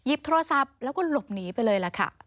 ยิบโทรศัพท์แล้วก็หลบหนีไปเลย